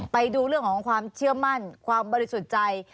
ไปดูเรื่องของความเชื่อมั่นความบริสุทธิ์ใจ